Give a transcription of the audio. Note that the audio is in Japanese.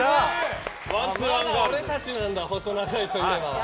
俺たちなんだ、細長いといえば。